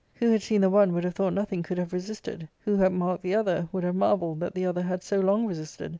Who had seen the one would have thought nothing could have resisted ; who had marked the other would have marvelled that the other had so long resisted.